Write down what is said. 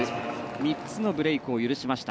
３つのブレークを許しました。